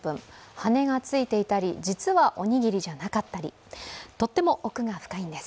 羽根がついていたり、実はおにぎりじゃなかったり、とっても奥が深いんです。